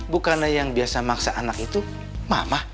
bukanlah yang biasa maksa anak itu mama